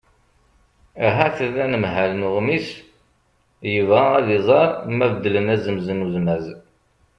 ahat d anemhal n uɣmis yebɣa ad iẓer ma beddlen azemz n uzmaz